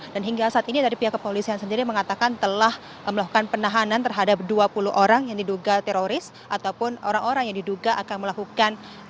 dan hingga saat ini pihak kepolisian sendiri mengatakan telah melakukan penahanan terhadap dua puluh orang yang diduga teroris ataupun orang orang yang diduga akan melakukan